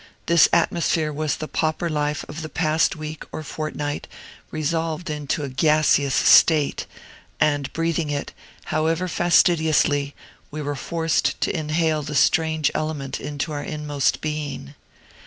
This atmosphere was the pauper life of the past week or fortnight resolved into a gaseous state, and breathing it, however fastidiously, we were forced to inhale the strange element into our inmost being.